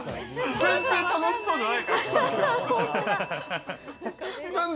全然楽しそうじゃない。